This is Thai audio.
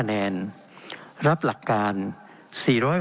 เป็นของสมาชิกสภาพภูมิแทนรัฐรนดร